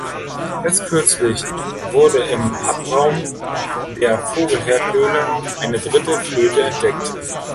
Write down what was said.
Erst kürzlich wurde im Abraum der Vogelherdhöhle eine dritte Flöte entdeckt.